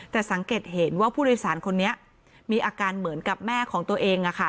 แต่สังเกตเห็นว่าผู้โดยสารคนนี้มีอาการเหมือนกับแม่ของตัวเอง